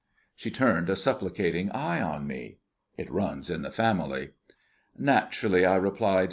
She turned a supplicating eye on me. It runs in the family. "Naturally," I replied.